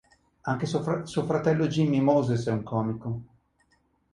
Anche suo fratello Jimmy Moses è un comico.